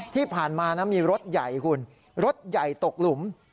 ที่ผ่านมานะมีรถใหญ่คุณรถใหญ่ตกหลุม